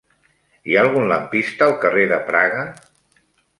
Hi ha algun lampista al carrer de Praga?